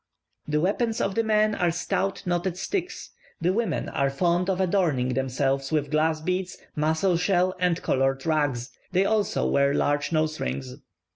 The weapons of the men are stout knotted sticks; the women are fond of adorning themselves with glass beads, mussel shells, and coloured rags; they also wear large nose rings.